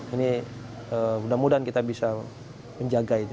ini mudah mudahan kita bisa menjaga itu